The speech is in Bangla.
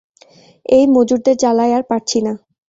এই মজুরদের জ্বালায় আর পারছি না।